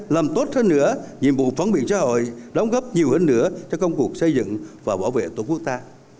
làm tốt hơn nữa nhiệm vụ phóng viện cho hội đóng góp nhiều hơn nữa cho công cuộc xây dựng và bảo vệ tổ quốc ta